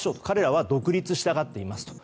彼らは独立したがっています。